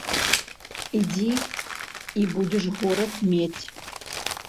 Ідзі, і будзеш горад мець.